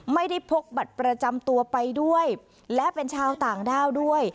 ไม่ได้พกบัตรประจำตัวไปด้วยและเป็นชาวต่างด้าวด้วย